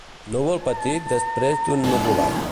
Núvol petit desprès d'un nuvolat.